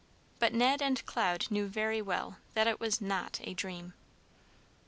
But Ned and Cloud knew very well that it was not a dream.